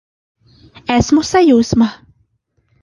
Esmu sajūsmā!